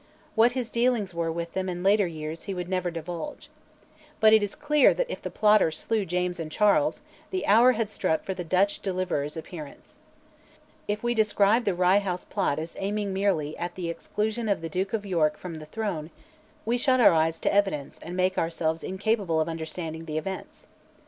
What his dealings were with them in later years he would never divulge. But it is clear that if the plotters slew Charles and James, the hour had struck for the Dutch deliverer's appearance. If we describe the Rye House Plot as aiming merely at "the exclusion of the Duke of York from the throne," we shut our eyes to evidence and make ourselves incapable of understanding the events.